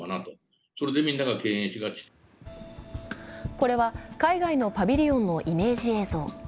これは海外のパビリオンのイメージ映像。